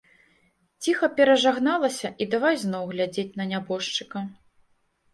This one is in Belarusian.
Ціха перажагналася і давай зноў глядзець на нябожчыка.